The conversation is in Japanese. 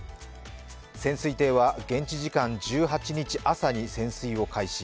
潜水艇は現地時間１８日朝に潜水を開始。